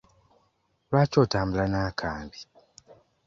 Lwaki otambula n'akambe?